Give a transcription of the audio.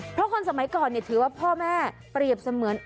เพราะคนสมัยก่อนถือว่าพ่อแม่เปรียบเสมือน